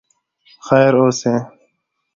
خیر اوسې.